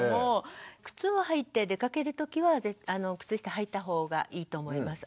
靴を履いて出かける時は靴下はいた方がいいと思います。